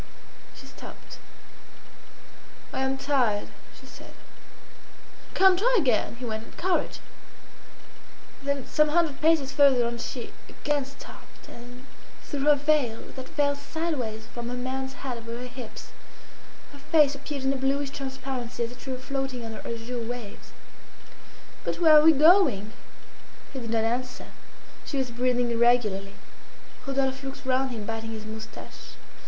She stopped. "I am tired," she said. "Come, try again," he went on. "Courage!" Then some hundred paces farther on she again stopped, and through her veil, that fell sideways from her man's hat over her hips, her face appeared in a bluish transparency as if she were floating under azure waves. "But where are we going?" He did not answer. She was breathing irregularly. Rodolphe looked round him biting his moustache.